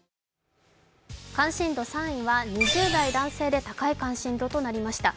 関心度３位は２０代の男性で高い関心度となりました。